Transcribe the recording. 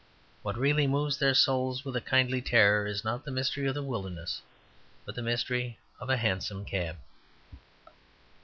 What really moves their souls with a kindly terror is not the mystery of the wilderness, but the Mystery of a Hansom Cab.